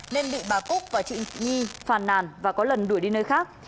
nên bị bà cúc và chị nhi phàn nàn và có lần đuổi đi nơi khác